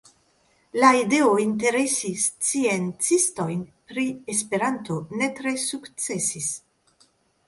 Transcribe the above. La ideo interesi sciencistojn pri Esperanto ne tre sukcesis.